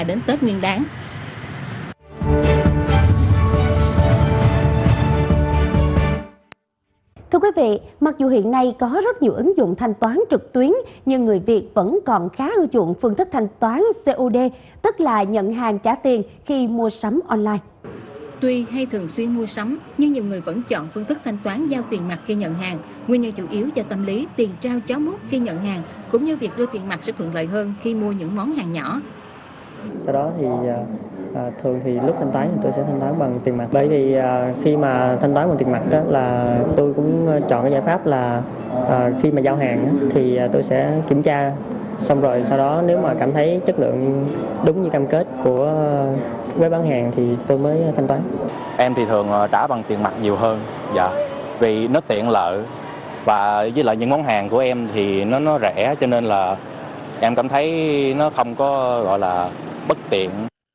em thì thường trả bằng tiền mặt nhiều hơn vì nó tiện lợi và với lại những món hàng của em thì nó rẻ cho nên là em cảm thấy nó không có gọi là bất tiện